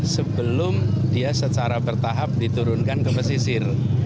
sebelum dia secara bertahap diturunkan ke pesisir